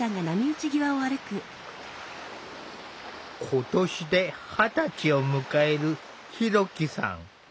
今年で二十歳を迎えるひろきさん。